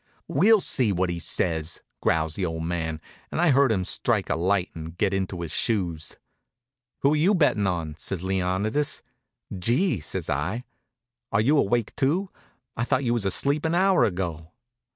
"We'll see what he says," growls the old man, and I heard him strike a light and get into his shoes. "Who're you bettin' on?" says Leonidas. "Gee!" says I. "Are you awake, too? I thought you was asleep an hour ago."